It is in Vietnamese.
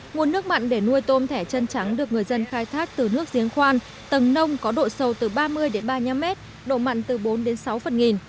nguồn nước mặn để nuôi tôm thẻ chân trắng được người dân khai thác từ nước giếng khoan tầng nông có độ sầu từ ba mươi ba mươi năm m độ mặn từ bốn sáu phần nghìn